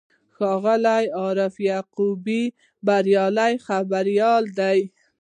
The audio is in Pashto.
ښاغلی عارف یعقوبي بریالی خبریال دی.